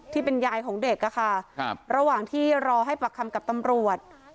ที่เป็นยายของเด็กอะค่ะระหว่างที่รอให้ปากคำกับตำรวจ